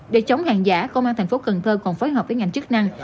để chống hàng giả công an tp cn còn phối hợp với ngành chức năng